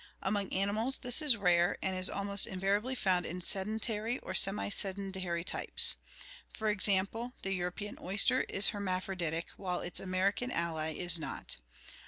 Among animals this is rare and is almost invariably found in sedentary or semi sedentary types. For example, the European oyster is hermaphro ditic, while its American ally is not.